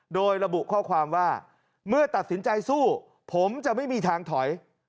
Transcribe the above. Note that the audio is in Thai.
โดยระบุข้อความว่าเมื่อตัดสินใจสู้ผมจะไม่มีทางถอย